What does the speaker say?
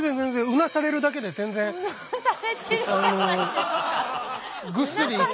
うなされてるじゃない。